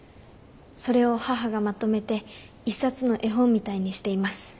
それを母がまとめて一冊の絵本みたいにしています。